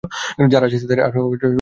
যারা আছে তাদের, আর যারা ছিল।